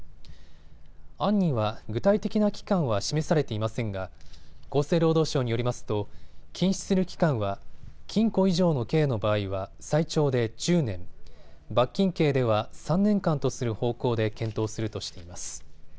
案には具体的な期間は示されていませんが厚生労働省によりますと禁止する期間は禁錮以上の刑の場合は最長で１０年、罰金刑では３年間とする方向で検討するとしています。